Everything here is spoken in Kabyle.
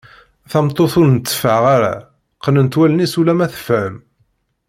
Tameṭṭut ur nteffeɣ ara qqnent wallen-is ulamma tefhem.